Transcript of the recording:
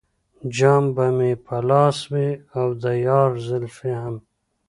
جام به مې په لاس وي او د یار زلفې هم.